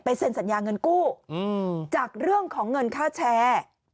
เซ็นสัญญาเงินกู้จากเรื่องของเงินค่าแชร์